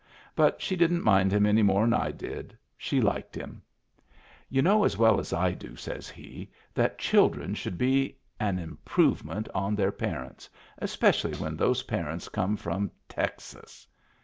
But she didn't mind him any more'n I did. She liked him. "You know as well as I do," says he, "that children should be an improvement on their Digitized by Google WHERE IT WAS 245 parents, e^ecially when those parents come from Texas.